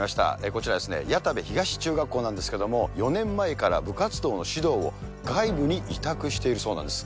こちら、谷田部東中学校なんですけれども、４年前から部活動の指導を、外部に委託しているそうなんです。